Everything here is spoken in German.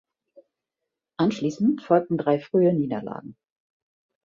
Anschließend folgten drei frühe Niederlagen.